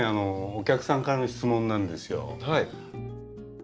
お客さんからの質問なんですよ。